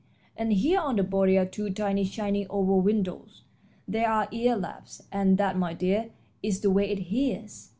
And here on the body are two tiny shining oval windows. These are ear laps, and that, my dear, is the way it hears.